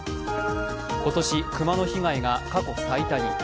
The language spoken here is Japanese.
今年熊の被害が過去最多に。